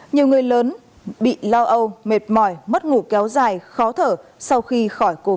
nhiều người lớn bị lo âu mệt mỏi mất ngủ kéo dài khó thở sau khi khỏi covid một mươi